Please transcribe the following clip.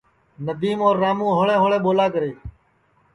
ندیم اور راموں ہوݪے ہوݪے ٻولا کرے